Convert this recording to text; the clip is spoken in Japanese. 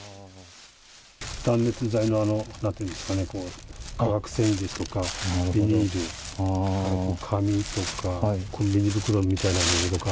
断熱材のなんていうんですかね、化学繊維ですとかビニール、あと紙とか、コンビニ袋みたいなものとか。